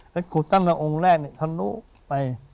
แล้วขุดตั้งแต่องค์แรกเนี่ยทะนุไป